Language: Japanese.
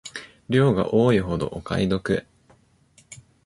量が多いほどお買い得